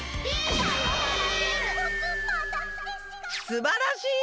すばらしい！